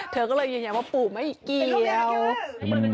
เธอก็เลยยืนยันว่าปู่ไม่เกี่ยว